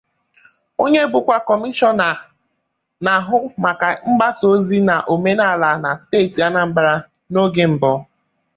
onye bụkwa Kọmishọna na-ahụ maka mgbasaozi na omenala na steeti Anambra n'oge mbụ